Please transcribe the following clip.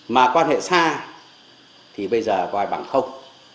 mà quan hệ xa thì bây giờ coi bằng không